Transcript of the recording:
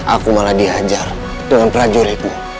aku malah dihajar dengan prajuritmu